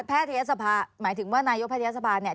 ทยศภาหมายถึงว่านายกแพทยศภาเนี่ย